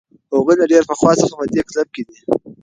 هغوی له ډېر پخوا څخه په دې کلب کې دي.